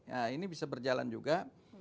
ya ini bisa berjalan juga